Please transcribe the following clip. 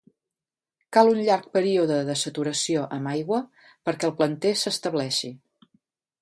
Cal un llarg període de saturació amb aigua perquè el planter s'estableixi.